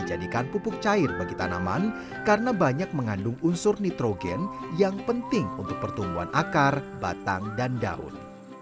menjadikan pupuk cair bagi tanaman karena banyak mengandung unsur nitrogen yang penting untuk pertumbuhan akar batang dan daun